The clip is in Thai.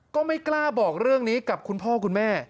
ก็ไม่กล้าบอกเรื่องนี้กับคุณพ่อคุณแม่